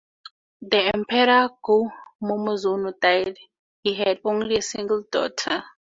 When Emperor Go-Momozono died, he had only a single daughter.